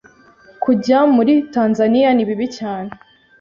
kujya muri Tanzania nibibi cyane